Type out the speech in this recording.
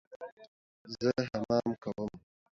زه حمام کوم